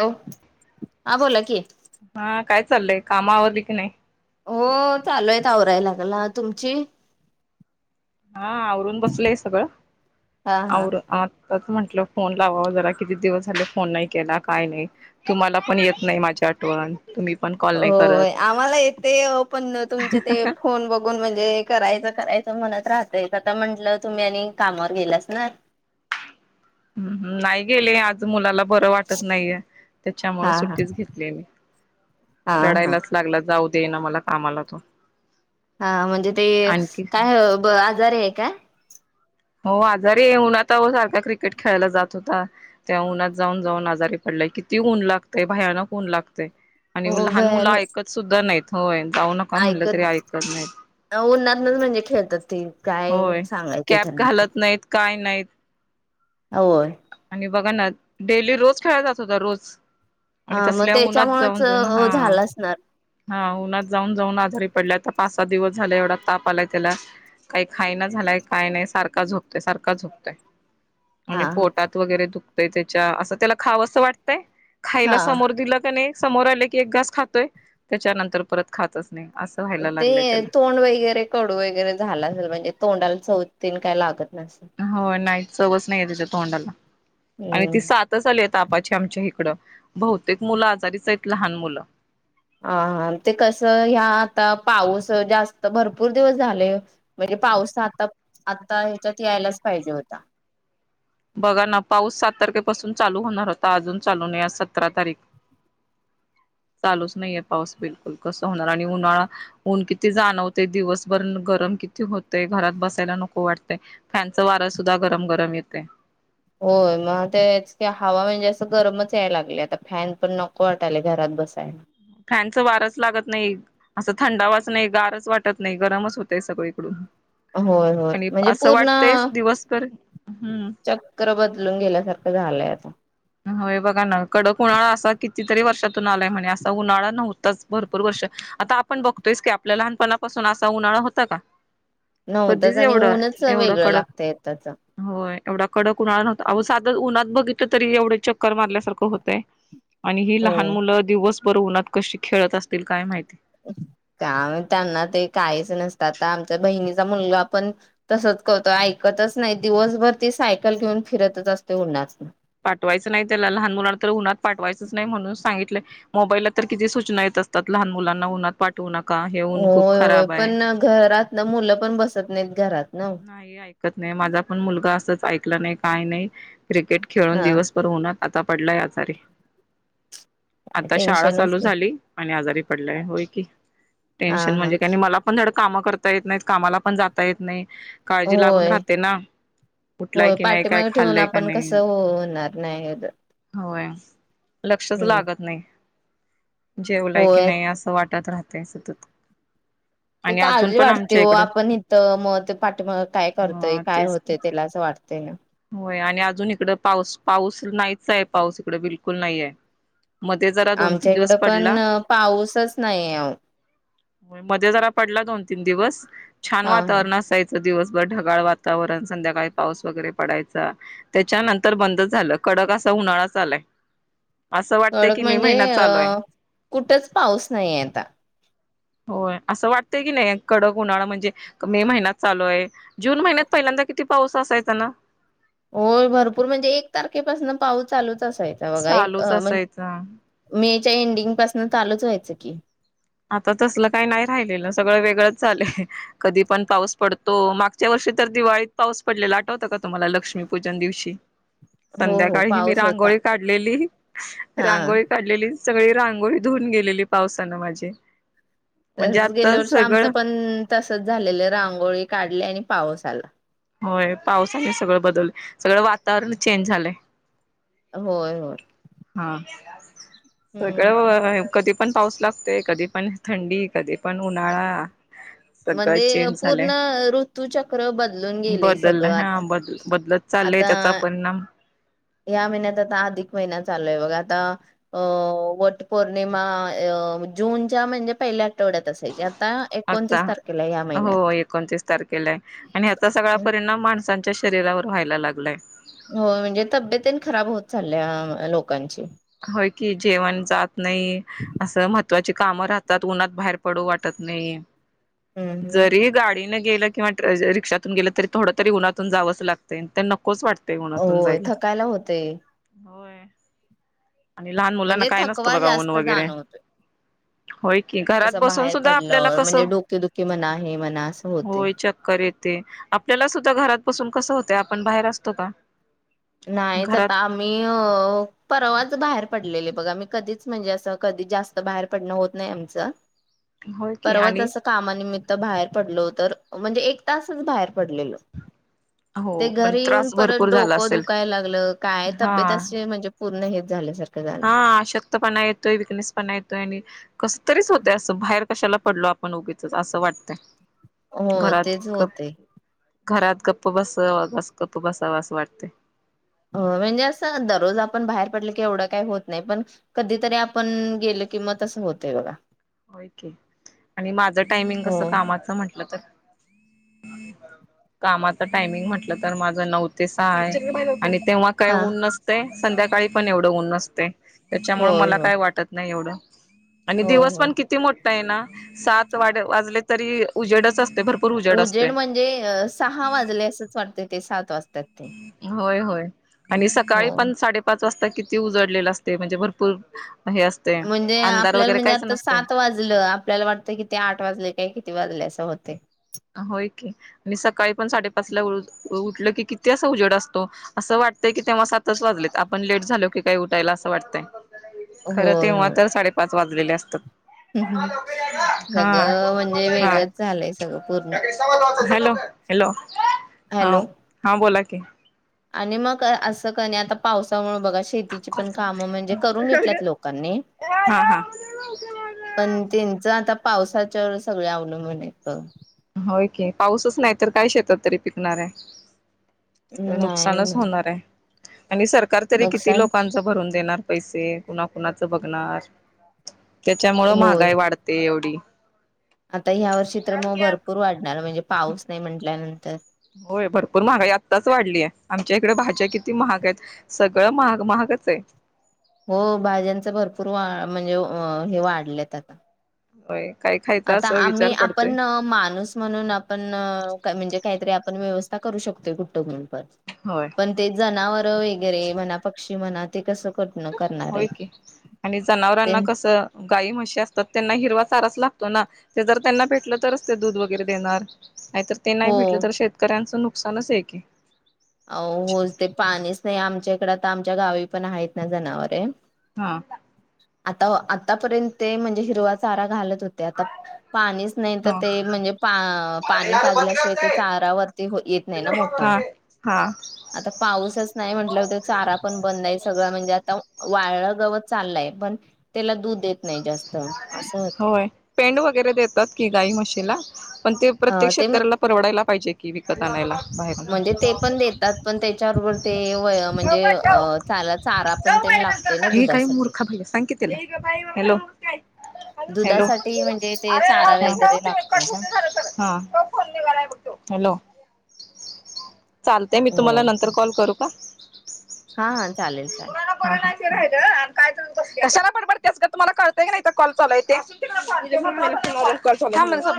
हॅ हा बोला की कामावधिक नाही हो चालूय आवराय लागला तुमची हा आवरून बसलय सगळं. हा हा होर आ म्हण. फोन लावाव जरा किती दिवस झाले फोन नाही केला काही नाही तुम्हाला पण येत नाही माझ्या आठवण. तुम्ही पण कॉल नाही हो करत आम्हाला येते पण तुमचे ते फोन बघून म्हणजे करायचं करायचं. म्हणत राहतय आता म्हंटलं तुम्ही आणि कामावर गेलास ना. मुला बरं वाटत नाहीये त्याच्यामुळे हा हा सुट्टीच घेतली मी हा हा रडायलाच लागला जाऊ. दे ना मला कामाला तो हा म्हणजे ते आणखी काय? जार आहे का? हो आजारी आहे उऊन्हाता सारख्या क्रिकेट खेळायला जात होता त्या्हा उन्हात जाऊन जाऊन आजारी पडलाय किती ऊन लागतय भयानक ऊन लागत. आणि हो लहान मुलं भयान ऐकत सुद्धा नाही होय. जाऊ नका म्हणलं तरी ऐकत नाहीत. उन्हातनच म्हणजे खेळतात ती. होय कॅब घालत नाहीत काय नाही. आहेतत. होय. बघा ना डेली रोज खेळाला जात होता रोज आणि हा मग तसल्या उन्हात त्याच्यामुळेच जाऊन जाऊन हा झाला असणार. हा उन्हात जाऊन जाऊन आजारी पडल्या आता पाच सात दिवस झाला एवढा ताप आलाय त्याला काही खायना झालाय काय नाही सारखा झोकतय सारख झोपतय. आणि हा पोटात वगैरे दुख दुखतय त्याच्या असं त्याला खावं असं वाटतंय. खायला हा समोर दिलं का नाही. समोर आले की एक घास खातोय. त्याच्यानंतर परत खात असत. ते तोंड वगैरे कडू वगैरे झाला असेल म्हणजे तोंडाला च तीन काय लागतात. हो नाही. चवच नाही आहे त्यािच्या तोंडाला आणि ती हम्म सातच आली होता. ् आमच्या इकडं बहुतेक मुलं आजारीच आहेत लहान मुलं. हा ते कसं ह्या आता पाऊस जास्त भरपूर दिवस झाले म्हणजे पाऊस आता आता ह्याच्यात यायलाच पाहिजे होता. बघा ना पाऊस सात तारखेपासून चालू होणार होता अजून चालू नाही आ सतरा तारीख चालूच नाहीे पाऊस बिलकुल कस होणार आणि उन्हाळा ऊन किती जाणवते दिवसभर गरम किती होते घरात बसायला नको वाटतं फॅनच वारं सुद्धा गरम गरम येते. होय मग तेच क हवा म्हणजे असं गरमच याय लागले आता फॅन पण नको वाटाले घरात बसायला. फॅनच वारच लागत नाही असं थंडावाच नाही गारच वाटत नाही गरमच होतय सगळीकडून होय होय आणि म्हणजे असं पूर्ण वाटतयच दिवसभर हम्म चक्र बदलून गेल्यासारखं झालंय आता होय बघा ना कडक उन्हाळा असा कितीतरी वर्षातून आलाय म्हणे. असा उन्हाळा नव्हताच. भरपूर वर्ष आता आपण बघतोयस की आपल्या लहानपणापासून असा उन्हाळा होता का? नव्हतच कधीच आणि एवढं ऊनच एवढं वेगळं कडक लागतय आताचं. होय एवढा कडक उन्हाळा नव्हता अओ साध उनात बघितलं तरं - - तरी एवढे चक्कर मारल्यासारखं होतयं. आणि ही लहान हो. मुलं दिवस - - बर उनाात कशी खेळत असतील? काय माहिती. का त्यांना ते काहीच नसतं. आता आमच्या बहिणीचा मुलगा पण तसच करतो ऐकतच नाही. दिवसभर ती सायकल घेऊन फिरतच असतो उन्हातनं. पाठवायचं नाही त्याला लहान मुलांना तर उन्हात पाठवायचंच नाही म्हणून सांगितलंय मोबाईलला तर किती सूचना येत असतात लहान मुलांना उन्हात पाठवून - - होय होय. पण घरात ना मुलं पण बस त नाही घरात. ना. नाही ऐकत नाही माझा पण मुलगा असंच ऐकला नाही. काय नाही. क्रिकेट खेळून हा दिवसभर उन्हात - - आता पडलाय आजारी. आता शाळा टेन्शनच चालू की झाली. आणि आजारी पडलाय होय की. हा टेन्शन हा. म्हणजे काय आणि मला धड काम करता येत नाहीत, कामाला पण जाता येत नाही. काळजी लागून होय राहते ना, उठलाय होय की नाही काय? पाठीमागे काय ठेवून खाल्लय का आपण नाही? कसं होणार नाही होय लक्षच हम्म. लागत नाही. जेवलाय की होय नाही असं वाटत राहत. ते सतत - - ते काळजी वाटते ओ आपण इथं मग - - हा. तेच असं वाटतंय ना. होय आणि अजून इकडं पाऊस पाऊस - - नाहीचयं पाऊस इकडे बिलकुल नाहीआय. आमच्या इकडं पण पाऊसच नाही आओ. मध्ये जरा पडला दोन तीन दिवस. छान हा हा. वातावर असायचं. दिवसभर ढगाळ वातावरण संध्याकाळी पाऊस वगैरे पडायचा, त्याच्यानंतर बंदच झालं कडक असा उन्हाळाच आलाय. कडक म्हणजे अ कुठच पाऊस नाहीय आता. होय असं वाटतय कीनी कडक उन्हाळा म्हणजे मे महिना - - चालू हाय. जून महिन्यात पहिल्यांदा किती - पाऊस असायचा ना? होय. भरपूर म्हणजे एक तारखेपासून पाऊस चालूच असायचा बघा. एक चालूच असायचा म्हणजे मे - - एंडिंग पासून चालूच व्हायचं की आता तसलं काही नाही राहिलेलं सगळं वेगळंच झालंय कधी पण पाऊस पडतो. मागच्या वर्षी तर दिवाळीत पाऊस पडलेला आठवतं का तुम्हाला लक्ष्मीपूजन दिवशी हो हो संध्याकाळी मी पाऊस होता रांगोळी काढलेली हा. रांगोळी काढलेली सगळी रांगोळी धुऊून गेलेली पावसानं माझी म्हणजे तस गेल्या आता वर्षी आमचं सगळं पण तसचं झालेलं रांगोळी काढली आणि पाऊस आला होय पावसाने सगळं बदललं सगळं वातावरण चेंज झालंय होय होय हं सगळं हम्म. होय कधी पण पाऊस लागतोय कधी पण थंडी, कधी पण उन्हाळा सगळं म्हणजे चेंज झालंय पूर्ण ऋतुचक्र बदलून गेले बदललं हा सगळंत बद बदलत चाललंय आता त्याचा परिणाम या महिन्यात आता अधिक महिना आता वट पौर्णिमा अं जून म्हणजे पहिल्या आठवड्यात असायची आता आता एकोणतीस तारखेला आहे या हो महिन्यात एकोणतीस तारखेला आणि हचा सगळा परिणाम माणसांच्या शरीरावर व्हायला लागलंय हो म्हणजे तब्येत खराब होत चालल्या लोकांची होय कि जेवण जात नाही असं महत्त्वाची कामं राहतात उन्हात बाहेर पडू वाटत नाही हम्म हम्म. जरी गाडी नाही गे किं रिक्षातून गेलं तरी थोड तरी उन्हातून जावंच लागतं नकोच वाटत होय थकायला होते होय आणि लहान मुलांना म्हणजे काय नसतं थकवा बघा ऊन जास्त वगैरे जाणवतोय होय कि घरात असं बसून बाहेर सुद्धा आपल्याला पडलं कस म्हणजे डोकेदुखी म्हणा हे म्हणा असं होते होय चक्करत ते आपल्याला सुद्धा घरात बसून कसं होतं आपण बाहेर असतो का नाहीच आता घरात आम्ही अ परवाच बाहेर पडलेले बघा आ कधीच म्हणजे असं कधी जास्त बाहेर पडणं होत नाही आमच होय की परवात आणि असं कामानिमित्त बाहेर पडल हो तर म्हणजे एक तासच बाहेर हो ते पण घरी येऊन त्रास परत भरपूर डोक झाला असेल दुखाय लागलं काय हा तब्येत असे म्हणजे पूर्ण हे झालं सर हा आशक्त पणा येतोय विकनेस पण ये तोय आणि कस तरीच होते असं बाहेर कशाला पडलो आपण उगीचच असं वाटतं हो तेच होते घरात गप्प बसावास गप्प बसावं असं वाटतंय. हो म्हणजे असं दररोज आपण बाहेर पडल की एवढं काही होत नाही पण कधीतरी आपण गेलो की मग तसं होतय बघा. आणि माझं टायमिंग हो कस कामाचं म्हंटलं तर [inaudible] कामाचा टायमिंग म्हटलं तर माझं नऊ ते सहा आहे. आणि तेव्हा काय हा ऊन नसतय. संध्याकाळी पण एवढं ऊन नसतय. त्याच्यामुळ होय मला होय काय वाटत नाही एवढं. आणि होय दिवस होय. पण किती मोठ [unintelligible] सात वा वाजले तरी उजेडच अस ते भरपूर उजाड उजेड असतय. म्हणजे सहा वाजले असच वाटतंय ते सात वाज त. होय होय, आणि सकाळी हो. पण साडेपाच स्ता किती उजडलेला असते म्हणजे भरपूर हे असते म्हणजे, अंधार आपल्याला वगैरे म्हणजे काहीच आता नसतोय सात वाजलं आपल्याला वाटतं किती आठ वाजले काय कि वादल्या असं होते. होय की, मी सकाळी पण साडेपाच ला उठल की किती असं उजड असतो. असं वाटतंय कि तेव्हा सातच वाजलेत आपण लेट झालो की काही उठायला असं वाटतंय. खरं होय तेव्हा होय तर साडेपाच वाजलेले असतात. हा सगळं म्हणजे हा वेगळंच झालंय सगळं. पूर्ण [unintelligible] हॅलो हॅलो. हा हॅलो हा बोला क- के. आणि मग असं क नाही आता पावसामुळ बाघा शेती कॉल पण चालू का म्हणजे करून आहे. घेतल्यात लोकांनी, हा हा. पण त्यांच आता पावसाच्या सगळे अवलंबून [unintelligible] त होय की पाऊसच नाही तर काय शेतात तरी पिकणार आहे. नुकसानच नाही होणार आहे. आणि सरकार तरी किती नुकसान लोकांचं भरून देणार. पैसे कुणा कुणाच बघणार. त्याच्यामुळ होय महागाई वाढते एवढी. आता ह्या वर्ष तर्र म भर वाढणार म्हणजे पाऊस नाही म्हटल नंतर होय भरपूर महागाई आत्ताच वाढली आहे आमच्या इकडे भाज्या किती महाग आहेत सगळं महाग महागच आहे हो भाज्यांचा भरपूर वा म्हणजे हे वाढलेत आता होय. काय खायचा आता असं आम्ही विचार आपण पडतोय माणूस म्हणून आपण म्हणजे काहीतरी पण व्यवस्था करू शकते कुठं पण होय. पण ते जनावर वगैरे म्हणा पक्षी म्हणा ते कसं कटण करणार आहे होय की आणि ते जनावरांना कसं गाय म्हशी असतात त्यांना हिरवा सारच लागतो ना ते जर त्यांना पेटलं तरच ते दूध वगैरे देणार नाही तर ते नाही हो भेटलं तर शेतकऱ्यांच नुक सनसेय की अ होच ते पाणीच नाही आमच्या तकड आ आमच्या गावी पण आहेत ना जनावरे हा. आता आतापर्यंत ते म्हणजे हिरवा चारा घालत होते आता पाणीच नाही तर हा ते म्हणजे पाणी हा पाजल्याशिवाय ते चारावरती येत नाही ना मोठा हा आता पाऊसच नाही म्हंटलं होते चारा पण बंदय सगळं म्हणजे आता वाळा गवत चाललंय पण त्याला दूध देत नाही जास्त असं होत होय पेंड वगैरे देतात की गाई म्हशीला? पण ते प्रत्येक ते शेतकऱ्याला परवडायला पाहिजे की विकत आणाय ला बाहेर म्हणजे ते पण देतात पण त्याच्याबरोबर ते वय म्हणजे अ चाला चारा पण त्यांना लागतोय ना [unintelligible] हे काही दुधासाठी. मूर्खा बाई सांग कि तिला दुधासाठी म्हणजे ते अरे राहू चारा दे, राहू वगैरे दे, लागतोय कट होऊ ना दे झालं तर. हा तो फोन निघालाय बघ तो. चालतेय मी तुम्हाला हो नंतर कॉल करू [unintelligible] हा हा चालेल [inaudible] [unintelligible]